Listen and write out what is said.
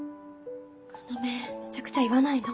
要めちゃくちゃ言わないの。